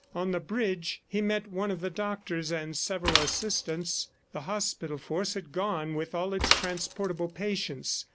On the bridge he met one of the doctors and several assistants. The hospital force had gone with all its transportable patients.